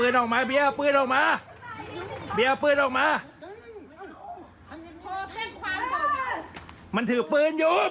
นี่ฝั่งของผู้เสียหายนะฮะถ่ายคลิปไปด้วยวิ่งหนีไปด้วยนี่บอก